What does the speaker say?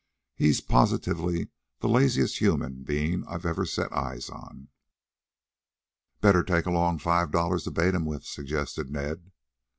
He's positively the laziest human being I ever set eyes on." "Better take along five dollars to bait him with," suggested Ned.